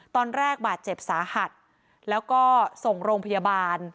ตอนแรกบาดเจ็บสาหัสแล้วก็ส่งโรงพยาบาล